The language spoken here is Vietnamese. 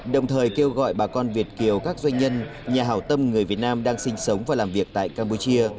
đồng thời kêu gọi bà con việt kiều các doanh nhân nhà hào tâm người việt nam đang sinh sống và làm việc tại campuchia